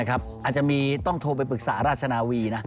อาจจะมีต้องโทรไปปรึกษาราชนาวี